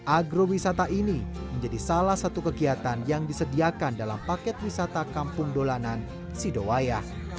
agrowisata ini menjadi salah satu kegiatan yang disediakan dalam paket wisata kampung dolanan sidowaya